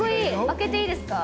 開けていいですか？